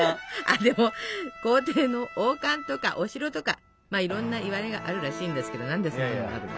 あでも皇帝の王冠とかお城とかいろんないわれがあるらしいんですけど何でそんなのがあるの？